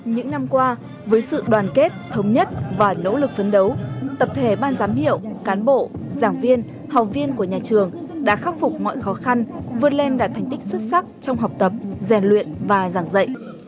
những năm qua với sự đoàn kết thống nhất và nỗ lực phấn đấu tập thể ban giám hiệu cán bộ giảng viên học viên của nhà trường đã khắc phục mọi khó khăn vươn lên đạt thành tích xuất sắc trong học tập rèn luyện và giảng dạy